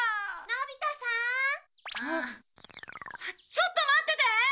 ちょっと待ってて！